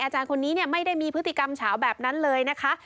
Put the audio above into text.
อาจารย์คนนี้ไม่ได้มีพฤติกรรมเฉาแบบนั้นเลยนะคะ